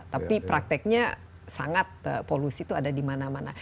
tapi prakteknya sangat polusi itu ada di mana mana